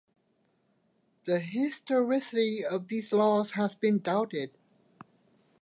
The historicity of these laws has been doubted.